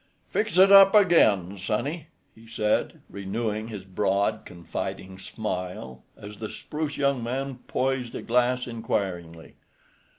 "Fix it up again, sonny," he said, renewing his broad, confiding smile, as the spruce young man poised a glass inquiringly.